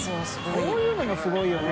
こういうのがすごいよね。